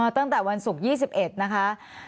ตั้งแต่วันศุกร์๒๑นะคะ